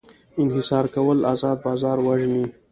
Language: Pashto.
انحصار کول ازاد بازار وژني.